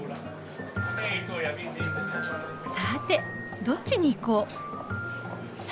さてどっちに行こう。